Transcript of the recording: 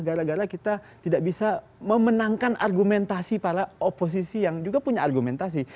gara gara kita tidak bisa memenangkan argumentasi para oposisi yang juga punya argumentasi